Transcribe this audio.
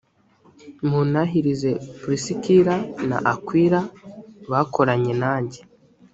muntahirize purisikila na akwila bakoranye nanjye